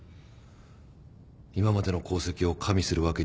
今までの功績を加味するわけにはいかない。